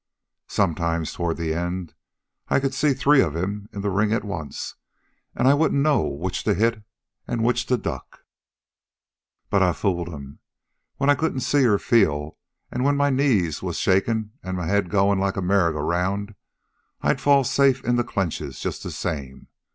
"Sometimes, toward the end, I could see three of him in the ring at once, an' I wouldn't know which to hit an' which to duck.... "But I fooled 'm. When I couldn't see, or feel, an' when my knees was shakin an my head goin' like a merry go round, I'd fall safe into clenches just the same.